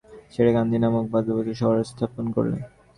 বৌদ্ধরা বেগতিক দেখে রাজধানী ছেড়ে, কান্দি নামক পার্বত্য শহর স্থাপন করলে।